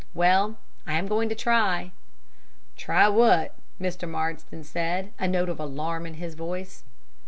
Well, I am going to try." "Try what?" Mr. Marsden said, a note of alarm in his voice.